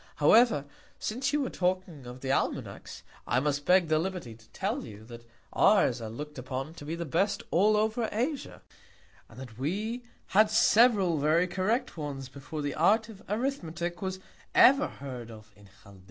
However, since you were talking of the Almanacks, I must beg the Liberty to tell you, that ours are look'd upon to be the best all over Asia; and that we had several very correct ones before the Art of Arithmetick was ever heard of in Chaldea.